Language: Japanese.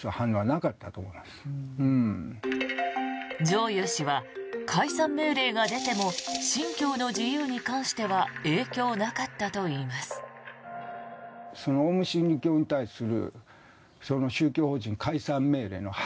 上祐氏は解散命令が出ても信教の自由に関しては影響なかったといいます。